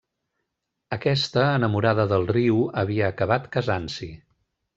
Aquesta, enamorada del riu, havia acabat casant-s'hi.